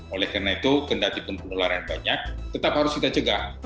oleh karena itu kendatipun penularan banyak tetap harus kita cegah